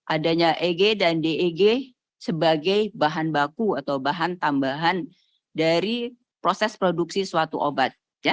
adanya eg dan deg sebagai bahan baku atau bahan tambahan dari proses produksi suatu obat